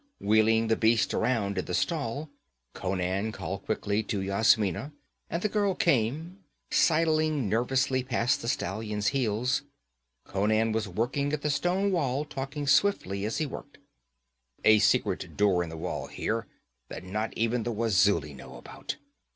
Wheeling the beast around in the stall, Conan called quickly to Yasmina, and the girl came, sidling nervously past the stallion's heels. Conan was working at the stone wall, talking swiftly as he worked. 'A secret door in the wall here, that not even the Wazuli know about.